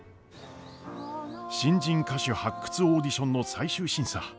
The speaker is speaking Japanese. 新人歌手発掘オーディションの最終審査。